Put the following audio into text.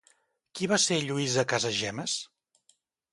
Qui va ser Lluïsa Casagemas?